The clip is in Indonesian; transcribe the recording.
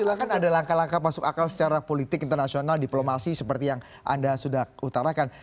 silahkan ada langkah langkah masuk akal secara politik internasional diplomasi seperti yang anda sudah utarakan